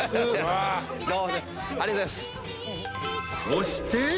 ［そして］